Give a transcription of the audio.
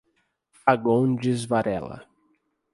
Fagundes Varela